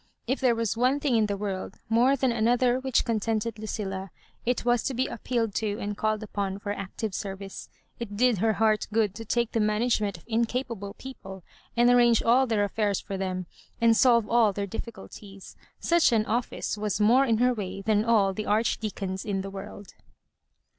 If there was one thing in the world more than another which contented Lucilla, it was to be appealed to and called upon for active service. It did hoT Digitized by VjOOQIC dO loss MABJORIBANEa heart good to take the mauagement of incapable people, and arrange all their affairs for them, and solve all their difficulties. Such an office was more in her way than all the Archdeacons in the world.